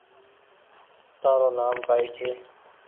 تآرو نآم ڪائي ڇي